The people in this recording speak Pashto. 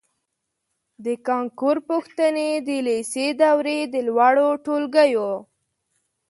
د کانکور پوښتنې د لېسې دورې د لوړو ټولګیو